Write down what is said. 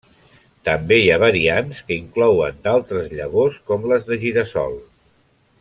També hi ha variants que inclouen d'altres llavors com les de gira-sol.